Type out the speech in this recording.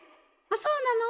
そうなの？